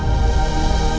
yang penting kita berusaha